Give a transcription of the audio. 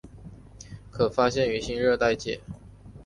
可发现于新热带界。